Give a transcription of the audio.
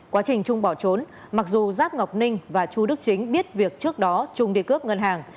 quá trình trung bỏ trốn mặc dù giáp ngọc ninh và chu đức chính biết việc trước đó trung đi cướp ngân hàng